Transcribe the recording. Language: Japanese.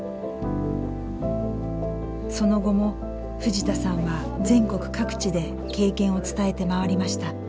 その後も藤田さんは全国各地で経験を伝えて回りました。